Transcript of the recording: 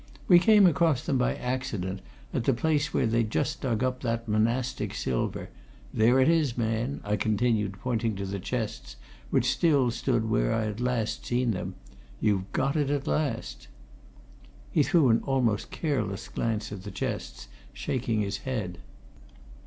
"We came across them by accident, at the place where they'd just dug up that monastic silver there it is, man!" I continued, pointing to the chests, which still stood where I had last seen them. "You've got it, at last." He threw an almost careless glance at the chests, shaking his head.